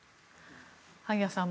萩谷さん